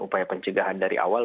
upaya pencegahan dari awal